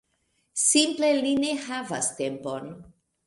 Simple li ne havas tempon.